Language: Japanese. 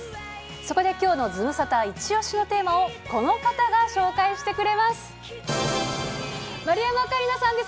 そこできょうのズムサタ一押しのテーマをこの方が紹介してくれます。